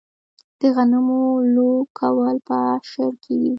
د غنمو لو کول په اشر کیږي.